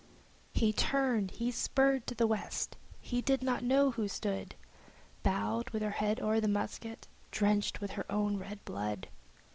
He turned, he spurred to the West; he did not know who stood Bowed, with her head o'er the casement, drenched in her own red blood!